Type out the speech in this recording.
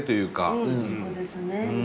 そうですね。